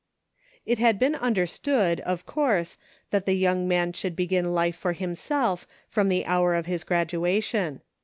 It had been understood, of course, that the young man should begin life for himself from the hour of his graduation.